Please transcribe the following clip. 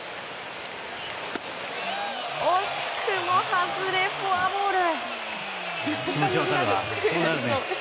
惜しくも外れ、フォアボール。